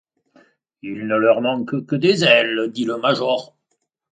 Il ne leur manque que des ailes ! dit le major.